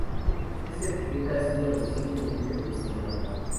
Esta etiqueta ha sido recientemente cuestionada.